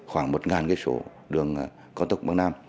khoảng một cái số đường cao tốc bắc nam